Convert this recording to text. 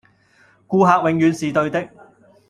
顧客永遠是對的